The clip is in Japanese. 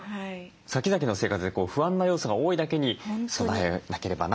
先々の生活で不安な要素が多いだけに備えなければなというふうに思いますね。